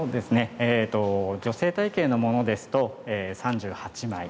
女性体型のものですと３８枚。